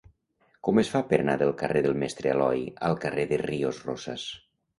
Com es fa per anar del carrer del Mestre Aloi al carrer de Ríos Rosas?